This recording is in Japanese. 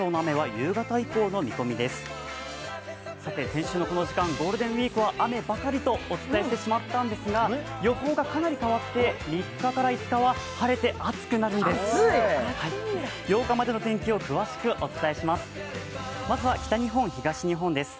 先週のこの時間ゴールデンウイークは雨ばかりとお伝えしてしまったんですが、予報がかなり変わって３日から５日は晴れて暑くなるんです。